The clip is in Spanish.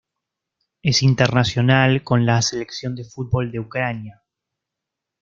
Es internacional con la selección de fútbol de Ucrania.